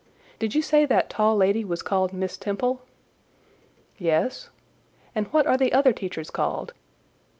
"Did you say that tall lady was called Miss Temple?" "Yes." "And what are the other teachers called?"